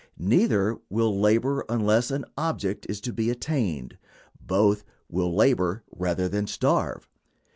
Neither will labor unless an object is to be attained. Both will labor rather than starve.